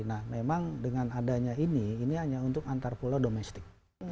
nah memang dengan adanya ini ini hanya untuk antar pulau domestik